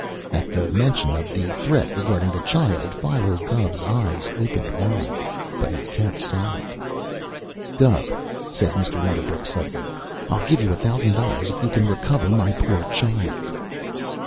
At the mention of the threat regarding the child, Philo Gubb's eyes opened wide, but he kept silence. "Gubb," said Mr. Medderbrook suddenly, "I'll give you a thousand dollars if you can recover my poor child."